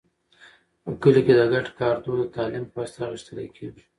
په کلي کې د ګډ کار دود د تعلیم په واسطه غښتلی کېږي.